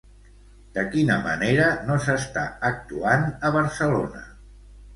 De quina manera no s'està actuant a Barcelona?